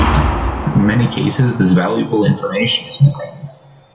In many cases this valuable information is missing.